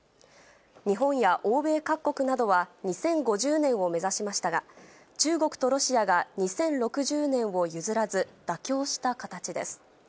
日本や欧米各国などは２０５０年を目指しましたが、中国とロシアが２０６０年を譲らず、妥協した形です。